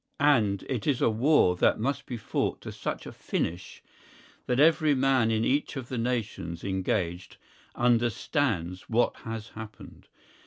And it is a war that must be fought to such a finish that every man in each of the nations engaged understands what has happened.